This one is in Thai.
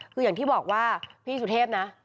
คืออย่างที่บอกว่าพี่สุเทพนะ